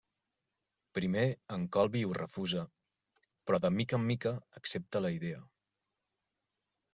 Primer, en Colby ho refusa, però, de mica en mica, accepta la idea.